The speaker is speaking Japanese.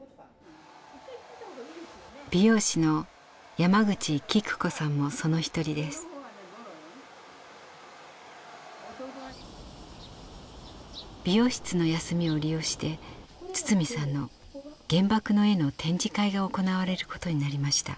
美容室の休みを利用して堤さんの「原爆の絵」の展示会が行われることになりました。